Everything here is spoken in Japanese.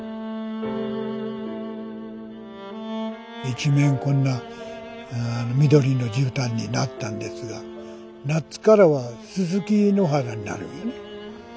一面こんな緑のじゅうたんになったんですが夏からはススキ野原になるんよね。